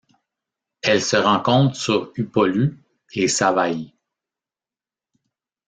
Elle se rencontre sur Upolu et Savai'i.